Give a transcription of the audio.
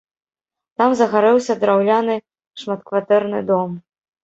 Там загарэўся драўляны шматкватэрны дом.